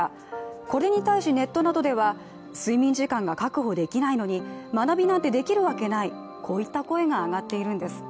これに対しネットなどでは睡眠時間が確保できないのに学びなんてできるわけない、こういった声が上がっているんです。